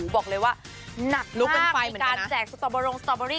บอกเลยว่าหนัดมากในการแสบบรงสตรอเบอร์รี่